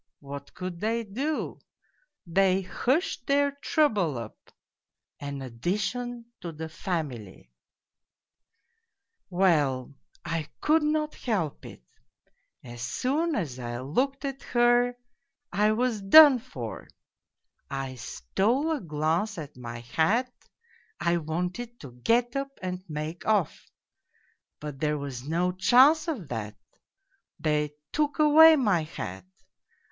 ... What could they do ? They hushed their trouble up an addition to the family !" Well, I could not help it as soon as I looked at her I was done for; I stole a glance at my hat, I wanted to get up and make off. But there was no chance of that, they took away my hat